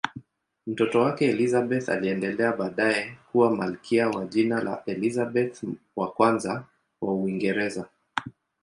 Mtoto wake Elizabeth aliendelea baadaye kuwa malkia kwa jina la Elizabeth I wa Uingereza.